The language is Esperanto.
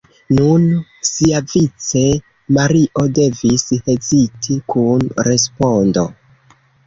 Nun siavice Mario devis heziti kun respondo.